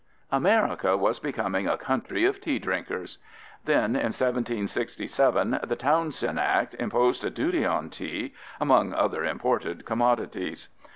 America was becoming a country of tea drinkers. Then, in 1767, the Townshend Act imposed a duty on tea, among other imported commodities.